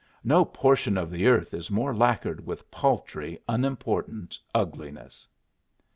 No portion of the earth is more lacquered with paltry, unimportant ugliness.